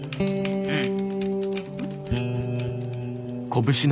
うん。